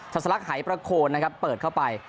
ัสลักหายประโคนนะครับเปิดเข้าไป